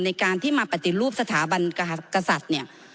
ในการที่มาปฏิรูปสถาบันกษัตริย์เนี่ย